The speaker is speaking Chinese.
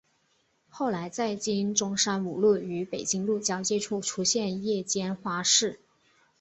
后来在今中山五路与北京路交界处出现夜间花市。